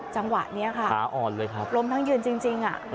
จังหวะนี้แหล่ะค่ะลมนั่งยืนจริง